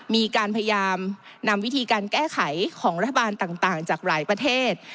มีการพยายามนำวิธีการแก้ไขของรัฐบาลต่างจากหลายประเทศ